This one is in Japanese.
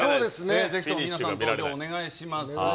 ぜひとも皆さん、投票お願いします。